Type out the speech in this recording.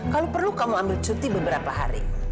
kalau perlu kamu ambil cuti beberapa hari